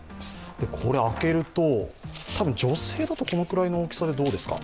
開けると、女性だとこのくらいの大きさでどうですか？